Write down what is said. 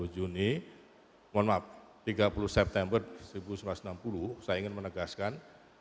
dua puluh juni mohon maaf tiga puluh september seribu sembilan ratus enam puluh saya ingin menegaskan